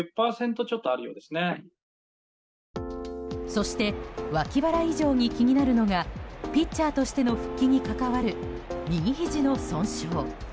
そして脇腹以上に気になるのがピッチャーとしての復帰に関わる右ひじの損傷。